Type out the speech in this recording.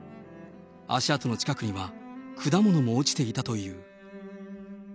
足跡の近くには、果物も落ちていたという。